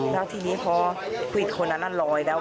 แล้วทีนี้พอขวิดคนนั้นน่ะลอยแล้ว